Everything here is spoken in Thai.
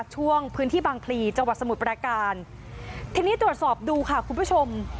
ช่วงพื้นที่บางพลีจังหวัดสมุทรประการทีนี้ตรวจสอบดูค่ะคุณผู้ชม